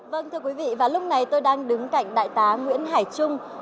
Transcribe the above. vâng thưa quý vị và lúc này tôi đang đứng cạnh đại tá nguyễn hải trung